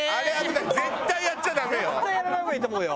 絶対やっちゃダメよ。